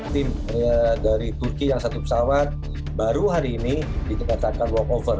tim dari turki yang satu pesawat baru hari ini dinyatakan walkover